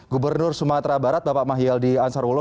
gubernur sumatera barat bapak mahyildi ansarwolo